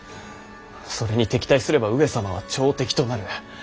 それに敵対すれば上様は朝敵となる。